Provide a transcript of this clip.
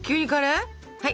はい！